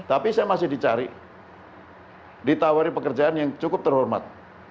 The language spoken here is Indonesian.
tapi saya masih dicari ditawari pekerjaan yang cukup terhormat